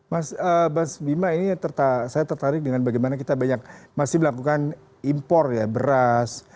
mas bima ini saya tertarik dengan bagaimana kita banyak masih melakukan impor ya beras